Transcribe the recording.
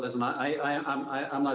saya tidak yakin